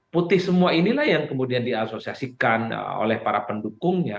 putih semua inilah yang kemudian diasosiasikan oleh para pendukungnya